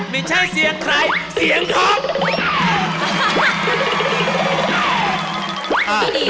ไม่ใช่เสียงใครเสียงท็อป